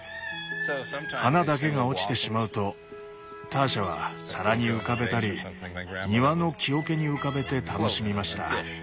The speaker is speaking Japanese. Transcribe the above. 花だけが落ちてしまうとターシャは皿に浮かべたり庭の木桶に浮かべて楽しみました。